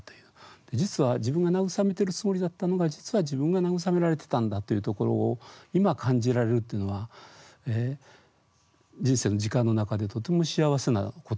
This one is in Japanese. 実は自分が慰めてるつもりだったのが実は自分が慰められてたんだというところを今感じられるっていうのは人生の時間の中でとても幸せなことだと思いますよね。